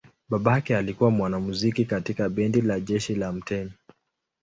Babake alikuwa mwanamuziki katika bendi la jeshi la mtemi.